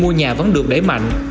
mua nhà vẫn được để mạnh